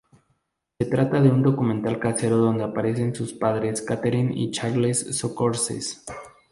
Se trata de un documental casero donde aparecen sus padres, Catherine y Charles Scorsese.